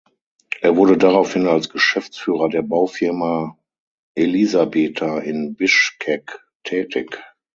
Er wurde daraufhin als Geschäftsführer der Baufirma Elizabeta in Bischkek tätig.